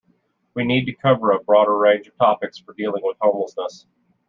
We need to cover a broader range of topics for dealing with homelessness.